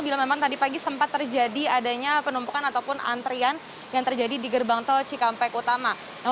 bila memang tadi pagi sempat terjadi adanya penumpukan ataupun antrian yang terjadi di gerbang tol cikampek utama